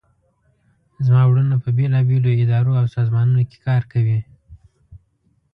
زما وروڼه په بیلابیلو اداراو او سازمانونو کې کار کوي